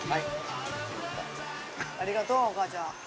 ありがとうおかあちゃん。